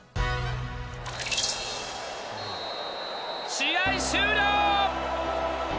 試合終了。